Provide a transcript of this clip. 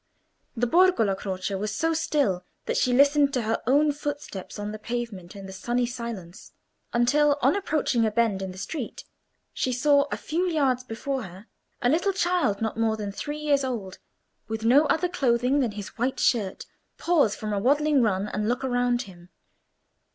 The Borgo La Croce was so still, that she listened to her own footsteps on the pavement in the sunny silence, until, on approaching a bend in the street, she saw, a few yards before her, a little child not more than three years old, with no other clothing than his white shirt, pause from a waddling run and look around him.